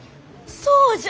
そうじゃ！